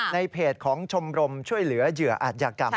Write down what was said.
ในเพจของชมรมช่วยเหลือเหยื่ออาจยากรรม